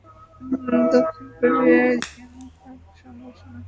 দক্ষিণ কোরিয়ার ইয়ানহাপ সংবাদ সংস্থা বলছে, দুর্ঘটনার কারণ জানতে তদন্ত চলছে।